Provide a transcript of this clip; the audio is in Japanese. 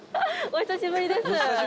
お久しぶりです。